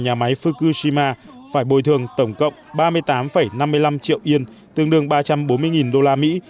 nhà máy fukushima phải bồi thường tổng cộng ba mươi tám năm mươi năm triệu yên tương đương ba trăm bốn mươi đô la mỹ